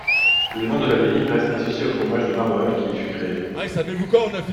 Le nom de l'abbaye reste associé au fromage de Maroilles qui y fut créé.